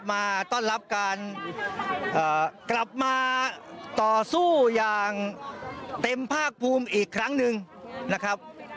มาต้อนรับการกลับมาต่อสู้อย่างเต็มภาคภูมิอีกครั้งหนึ่งนะครับ